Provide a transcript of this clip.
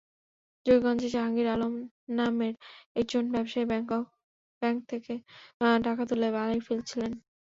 জকিগঞ্জের জাহাঙ্গীর আলম নামের একজন ব্যবসায়ী ব্যাংক থেকে টাকা তুলে বাড়ি ফিরছিলেন।